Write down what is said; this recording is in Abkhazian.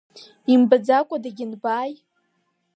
Имбаӡакәа дагьынбааи!